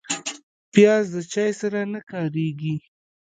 پیاز د چای سره نه کارېږي